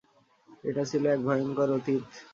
এটা ছিল এক ভয়ঙ্কর অতীত।